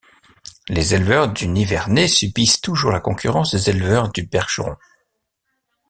Les éleveurs du nivernais subissent toujours la concurrence des éleveurs du percheron.